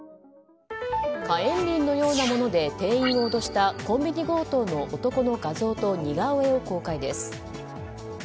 火炎瓶のようなもので店員を脅したコンビニ強盗の男の画像と似顔絵を公開です。